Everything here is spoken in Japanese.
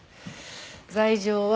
罪状は。